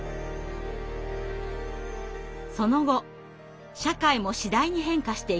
その後社会も次第に変化していきます。